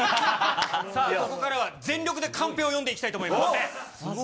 さあ、ここからは全力でカンペを読んでいきたいと思います。